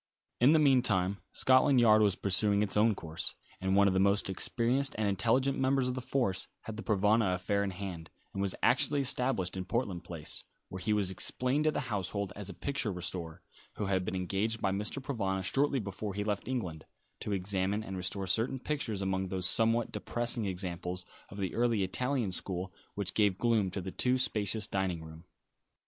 In the meantime Scotland Yard was pursuing its own course, and one of the most experienced and intelligent members of the force had the Provana affair in hand, and was actually established in Portland Place, where he was explained to the household as a picture restorer, who had been engaged by Mr. Provana shortly before he left England, to examine and restore certain pictures among those somewhat depressing examples of the early Italian school which gave gloom to the too spacious dining room.